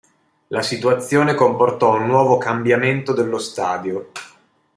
La situazione comportò un nuovo cambiamento dello stadio.